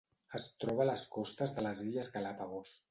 Es troba a les costes de les Illes Galápagos.